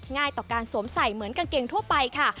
ง่ายต่อการสวมใส่เหมือนกางเกงทั่วไปค่ะ